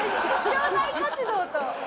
「腸内」活動と。